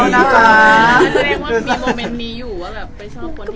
มันก็เรียกว่ามีโมเมนต์มีอยู่ว่าไม่ชอบคนที่เขา